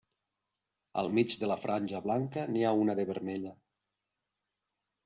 Al mig de la franja blanca n'hi ha una de vermella.